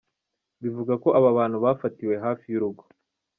Bivugwa ko aba bantu bafatiwe hafi y’urugo.